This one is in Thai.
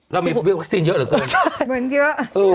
เรามีวัคซีนเยอะเหรอเกินนะครับใช่เหมือนเยอะ